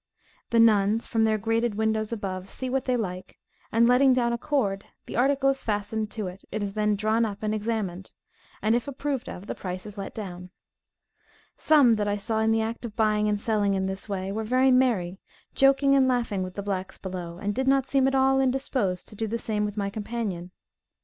The nuns, from their grated windows above, see what they like, and, letting down a cord, the article is fastened to it; it is then drawn up and examined, and, if approved of, the price is let down. Some that I saw in the act of buying and selling in this way, were very merry, joking and laughing with the blacks below, and did not seem at all indisposed to do the same with my companion.